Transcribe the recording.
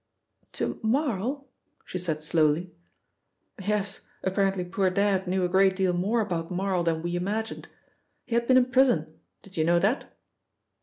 "To Marl?" she said slowly. "Yes, apparently poor Dad knew a great deal more about Marl than we imagined. He had been in prison: did you know that?"